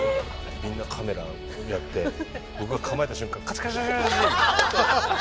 みんなカメラやって僕が構えた瞬間カシャカシャカシャ。